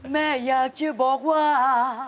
แม่อยากจะบอกว่า